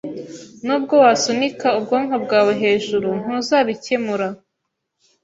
Nubwo wasunika ubwonko bwawe hejuru, ntuzabikemura.